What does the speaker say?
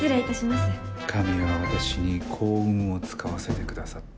神は私に幸運を遣わせてくださった。